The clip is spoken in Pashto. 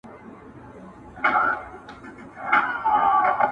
په دې ډول کيسه يو فلسفي او ژور انساني رنګ خپلوي،